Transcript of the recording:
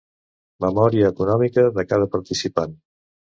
Memòria econòmica de cada participant.